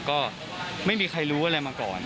ก็ไม่มีใครรู้อะไรมาก่อน